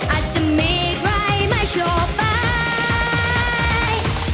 อาจจะไม่ใครไม่ชอบไป